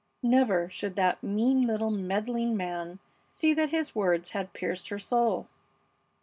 Never should that mean little meddling man see that his words had pierced her soul.